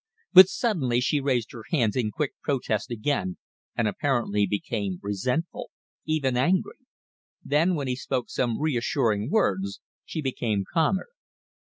But suddenly she raised her hands in quick protest again, and apparently became resentful even angry. Then when he spoke some reassuring words she became calmer.